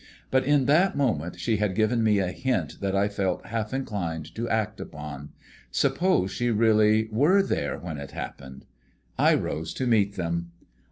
But in that moment she had given me a hint that I felt half inclined to act upon. Suppose she really were there when it happened? I rose to meet them.